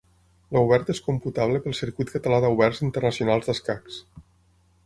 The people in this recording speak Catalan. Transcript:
L'Obert és computable pel Circuit Català d'Oberts Internacionals d'Escacs.